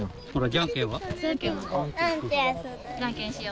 じゃんけんしよう。